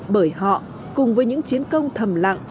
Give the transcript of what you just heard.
bởi họ cùng với những chiến công thầm lặng